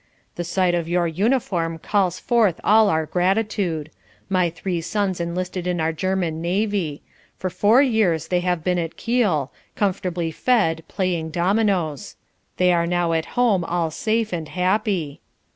"The sight of your uniform calls forth all our gratitude. My three sons enlisted in our German Navy. For four years they have been at Kiel, comfortably fed, playing dominos. They are now at home all safe and happy.